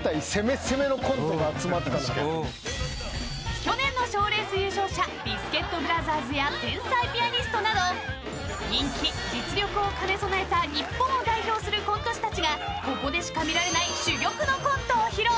去年の賞レース優勝者ビスケットブラザーズや天才ピアニストなど人気・実力を兼ね備えた日本を代表するコント師たちがここでしか見られない珠玉のコントを披露。